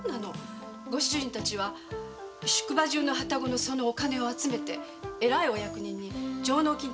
ご主人たちは宿場中のハタゴのそのお金を集めて偉いお役人に上納金として。